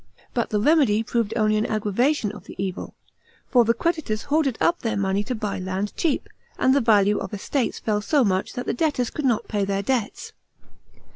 But the remedy proved only an aggravation of the evil. For the creditors hoarded up their money to buy land cheap, and the value of estates fell so much that the debtors could not pay their debts.